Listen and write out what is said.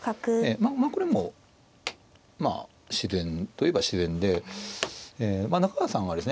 まあこれもまあ自然といえば自然で中川八段さんはですね